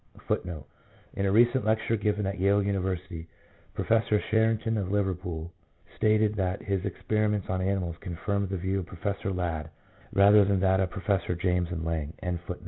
1 1 In a recent lecture given at Yale University, Professor Sherrington, of Liverpool, stated that his experiments on animals confirmed the view of Professor Ladd rather than that of Professors James and Lange. EMOTIONS.